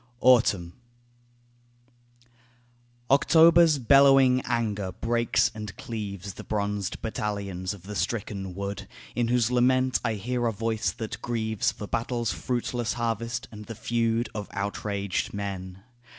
AUTUMN October's bellowing anger breaks and cleaves The bronzed battalions of the stricken wood In whose lament I hear a voice that grieves For battle's fruitless harvest, and the feud Of outraged men.